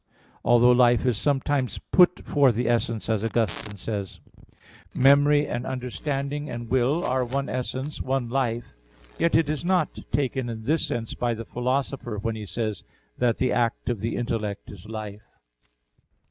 Although life is sometimes put for the essence, as Augustine says (De Trin. x), "Memory and understanding and will are one essence, one life": yet it is not taken in this sense by the Philosopher, when he says that "the act of the intellect is life."